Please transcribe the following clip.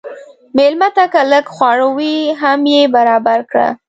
مېلمه ته که لږ خواړه وي، هم یې برابر کړه.